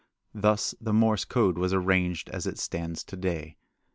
Thus the Morse code was arranged as it stands to day.